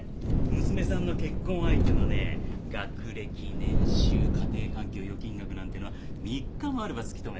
娘さんの結婚相手のね学歴年収家庭環境預金額なんてのは３日もあれば突き止めることができますから。